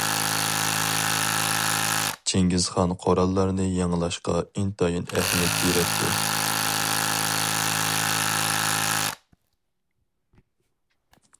چىڭگىزخان قوراللارنى يېڭىلاشقا ئىنتايىن ئەھمىيەت بېرەتتى.